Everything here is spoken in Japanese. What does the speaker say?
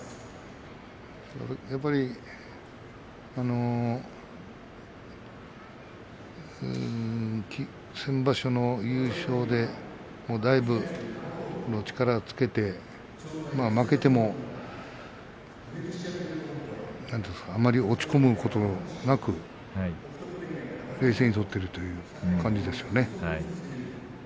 やはり、先場所の優勝でだいぶ力をつけて負けてもあまり落ち込むことなく冷静に取っているという感じですかね。